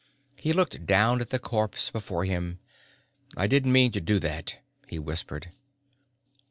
He looked down at the corpse before him. "I didn't mean to do that," he whispered.